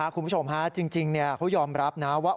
คุณผู้ชมฮะจริงเขายอมรับนะว่า